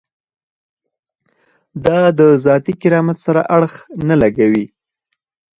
دا د ذاتي کرامت سره اړخ نه لګوي.